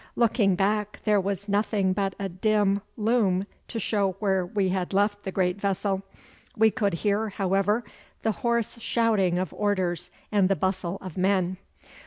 Looking back there was nothing but a dim loom to show where we had left the great vessel. We could hear, however, the hoarse shouting of orders and the bustle of men.